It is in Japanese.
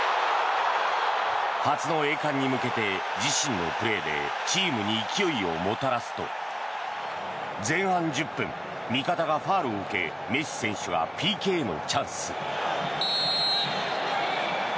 初の栄冠に向けて自身のプレーでチームに勢いをもたらすと前半１０分味方がファウルを受けメッシ選手がＰＫのチャンス。